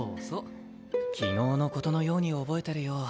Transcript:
昨日の事のように覚えてるよ。